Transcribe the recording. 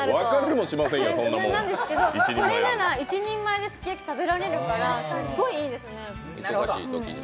これなら、一人前ですき焼き食べられるからすごいいいですね。